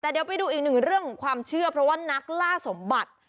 แต่เดี๋ยวไปดูอีกหนึ่งเรื่องของความเชื่อเพราะว่านักล่าสมบัติ